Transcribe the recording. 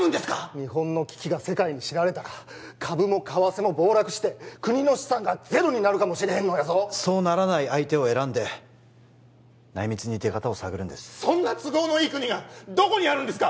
日本の危機が世界に知られたら株も為替も暴落して国の資産がゼロになるかもしれへんのやぞそうならない相手を選んで内密に出方を探るんですそんな都合のいい国がどこにあるんですか？